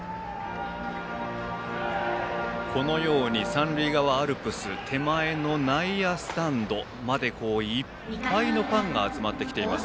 三塁側アルプス手前の内野スタンドまでいっぱいのファンが集まっています。